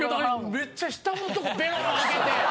めっちゃ下のとこベロンあけて。